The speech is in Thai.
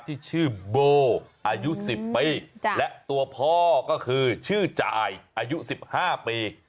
ที่ชื่อโบอายุ๑๐ปีและตัวพ่อก็คือชื่อจ่ายอายุ๑๕ปี